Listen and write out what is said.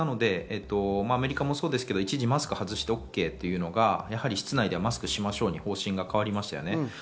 アメリカもそうですけど一時、マスクを外してＯＫというのが、やはり室内ではマスクをしましょうに方針が変わりました。